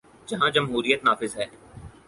جہاں جمہوریت نافذ ہے۔